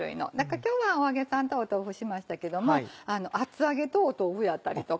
今日はお揚げさんと豆腐しましたけども厚揚げと豆腐やったりとか。